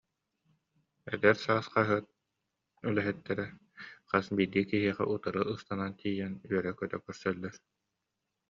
«Эдэр саас» хаһыат үлэһиттэрэ хас биирдии киһиэхэ утары ыстанан тиийэн үөрэ- көтө көрсөллөр